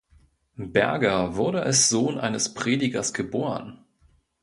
Berger wurde als Sohn eines Predigers geboren.